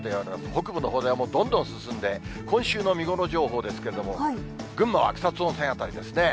北部のほうではどんどん進んで、今週の見頃情報ですけども、群馬は草津温泉辺りですね。